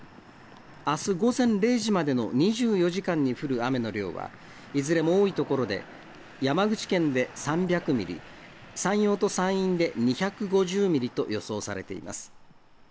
あす午前０時までの２４時間に降る雨の量は、いずれも多い所で山口県で３００ミリ、山陽と山陰で２５０ミリと予想されています。